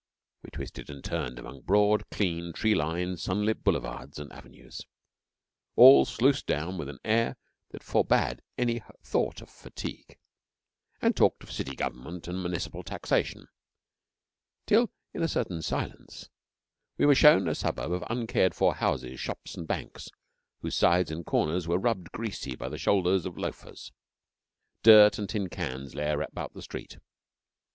We twisted and turned among broad, clean, tree lined, sunlit boulevards and avenues, all sluiced down with an air that forbade any thought of fatigue, and talked of city government and municipal taxation, till, in a certain silence, we were shown a suburb of uncared for houses, shops, and banks, whose sides and corners were rubbed greasy by the shoulders of loafers. Dirt and tin cans lay about the street.